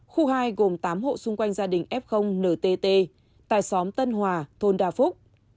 khu hai gồm tám hộ xung quanh gia đình f ntt tại xóm tân hòa thôn đa phúc